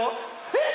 えっ？